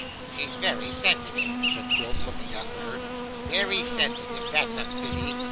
'She's very sensitive,' said Quilp, looking after her. 'Very sensitive; that's a pity.